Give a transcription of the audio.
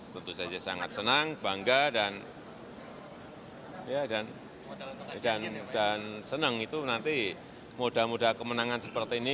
tentu saja sangat senang bangga dan senang itu nanti moda moda kemenangan seperti ini